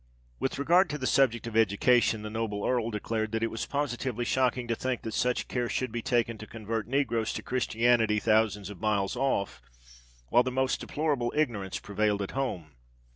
With regard to the subject of education, the noble Earl declared that it was positively shocking to think that such care should be taken to convert negroes to Christianity thousands of miles off, while the most deplorable ignorance prevailed at home.